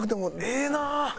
ええなあ！